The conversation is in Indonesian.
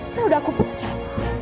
kan udah aku pecat